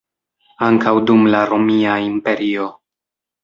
Ankaŭ dum la Romia Imperio.